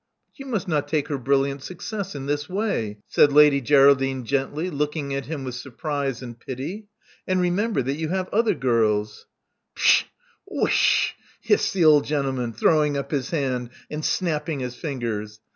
But you must not take her brilliant success in this way,*' said Lady Geraldine gently, looking at him with surprise and pity. And remember that you have other girls." *TshaI Whish h h!" hissed the old gentleman, throwing up his hand and snapping his fingers.